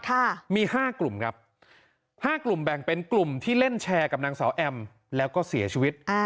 ค่ะมีห้ากลุ่มครับห้ากลุ่มแบ่งเป็นกลุ่มที่เล่นแชร์กับนางสาวแอมแล้วก็เสียชีวิตอ่า